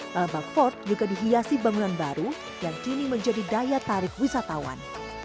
lalabak fort juga dihiasi bangunan baru yang kini menjadi daya tarif wisatawan